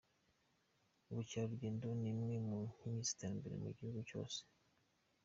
Ubukerarugendo ni imwe mu nkingi z'iterambere mu bihugu byose.